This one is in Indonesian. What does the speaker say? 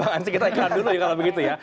nanti kita jehan dulu kalau begitu ya